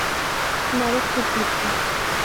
বাবা খুঁত ধরছে।